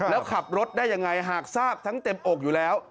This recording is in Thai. แล้วขับรถได้ยังไงหากทราบทั้งเต็มอกอยู่แล้ว